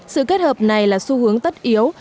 sự kết hợp này là xu hướng tất yếu